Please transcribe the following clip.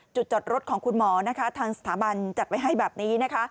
จุดจดรถของคุณหมอทางสถาบันจัดไว้ให้แบบนี้